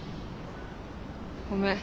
ごめん。